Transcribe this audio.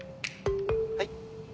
はい？